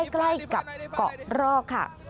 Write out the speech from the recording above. ใกล้กับเกาะรอกค่ะ